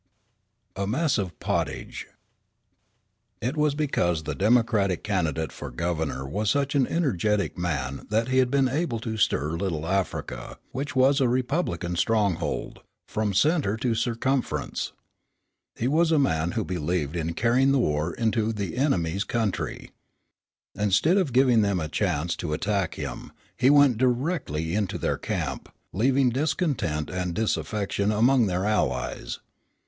A MESS OF POTTAGE It was because the Democratic candidate for Governor was such an energetic man that he had been able to stir Little Africa, which was a Republican stronghold, from centre to circumference. He was a man who believed in carrying the war into the enemy's country. Instead of giving them a chance to attack him, he went directly into their camp, leaving discontent and disaffection among their allies.